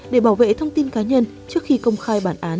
để bảo vệ thông tin cá nhân trước khi công khai bản án